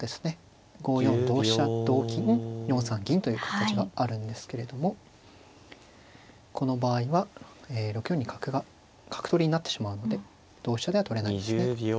５四同飛車同金４三銀という形があるんですけれどもこの場合は６四に角が角取りになってしまうので同飛車では取れないんですね。